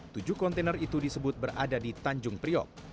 tujuh kontainer itu disebut berada di tanjung priok